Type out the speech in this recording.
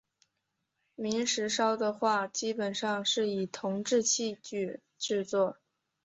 明石烧的话基本上是以铜制器具制作。